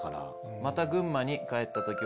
また群馬に帰った時は